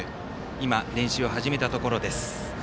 今、練習を始めたところです。